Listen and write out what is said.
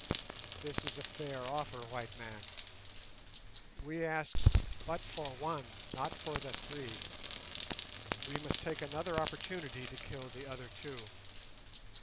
This is a fair offer, white man. We ask but for one, not for the three; we must take another opportunity to kill the other two.